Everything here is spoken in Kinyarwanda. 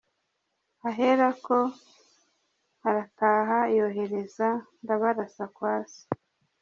Ahera ko arakara yohereza Ndabarasa kwa se.